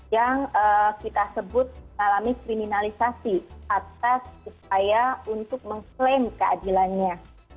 yang kita sebut mengalami kriminalisasi atas upaya untuk mengklaim keadilannya